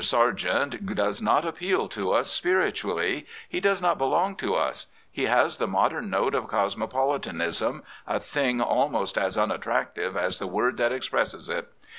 Sargent does not appeal to us spiritually. He does not belong to us. He has the modem note of cosmopolitanism — a thing almost as unattractive as the word that expresses it.